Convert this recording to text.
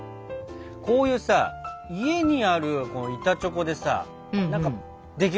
こういうさ家にある板チョコでさ何かできるものないかな？